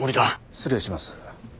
失礼します。